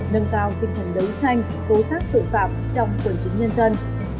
nâng cao tinh thần đấu tranh cố xác tự phạm trong quần chúng nhân dân